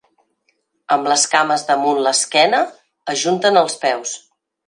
Amb les cames damunt l’esquena, ajunten els peus.